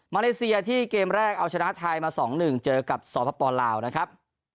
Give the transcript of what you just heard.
เลเซียที่เกมแรกเอาชนะไทยมา๒๑เจอกับสปลาวนะครับ